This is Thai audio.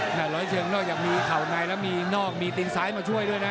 ร้อยเชิงนอกจากมีเข่าในแล้วมีนอกมีตีนซ้ายมาช่วยด้วยนะ